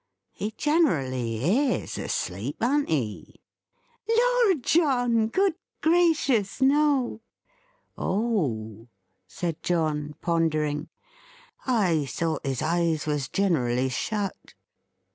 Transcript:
He generally is asleep, an't he?" "Lor John! Good gracious no!" "Oh," said John, pondering. "I thought his eyes was generally shut.